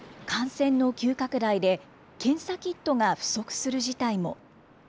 感染の急拡大で、検査キットが不足する事態も。